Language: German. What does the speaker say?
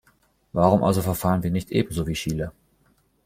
Warum also verfahren wir nicht ebenso wie Chile?